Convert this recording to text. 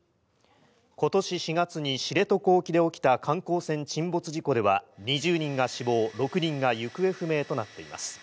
今年４月に知床沖で起きた観光船沈没事故では、２０人が死亡、６人が行方不明となっています。